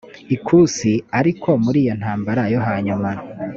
ikusi ariko muri iyo ntambara yo hanyuma